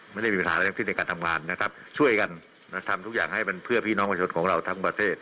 ไม่ได้มีปัญหาอะไรทั้งสิ้นในการทำงานนะครับช่วยกันทำทุกอย่างให้มันเพื่อพี่น้องประชาชนของเราทั้งประเทศ